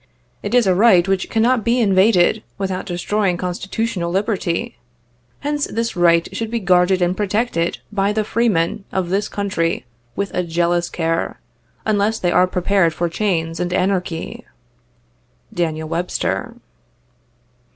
It is a right which cannot be invaded without destroying constitu tional liberty. Hence this right should be guarded and protected by the free men of this Country with a jealous care, unless they are prepared for chains and anarchy." [ Daniel Webster.